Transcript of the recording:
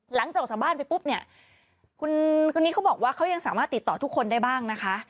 หลังจากออกจากบ้านไปปุ๊บเนี่ยคุณคนนี้เขาบอกว่าเขายังสามารถติดต่อทุกคนได้บ้างนะคะ